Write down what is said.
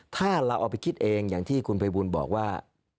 ถ้าเราเอาไปคิดเองอย่างที่คุณภัยบูลบอกว่า